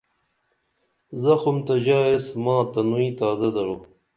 زخم تہ ژائیس ماں تنوئی تازہ درو